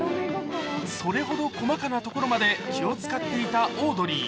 それほど細かなところまで気を遣っていたオードリー。